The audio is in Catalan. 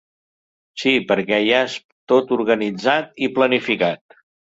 Sí, perquè ja és tot organitzat i planificat.